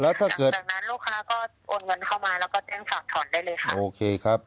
แล้วถ้าเกิดหลังจากนั้นลูกค้าก็โอนเงินเข้ามาแล้วก็เต้นฝากถอนได้เลยครับ